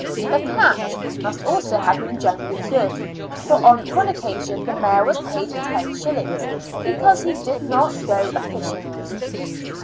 The catch must also have been generally good, for on one occasion the Mayor was paid los. " because he did not go a fishing."